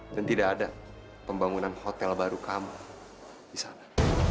dan tidak ada pembangunan hotel baru kamu di sana